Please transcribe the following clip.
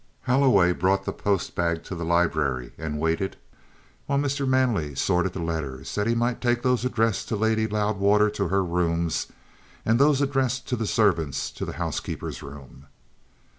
Holloway brought the post bag to the library, and waited while Mr. Manley sorted the letters, that he might take those addressed to Lady Loudwater to her rooms and those addressed to the servants to the housekeeper's room.